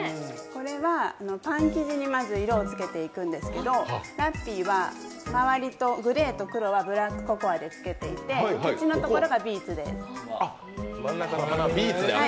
これは、パン生地にまず色をつけていくんですけど、ラッピーは周りのグレーと黒はココアで出していて口のところがビーツです。